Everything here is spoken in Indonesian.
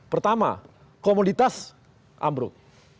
pertama komoditas amruk